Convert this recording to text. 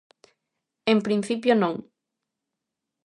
En principio, non.